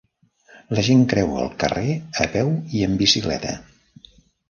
La gent creua el carrer a peu i en bicicleta.